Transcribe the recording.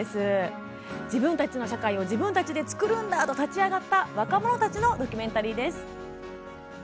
「自分たちの社会を自分たちで作るんだ」と立ち上がった若者たちのドキュメンタリーです。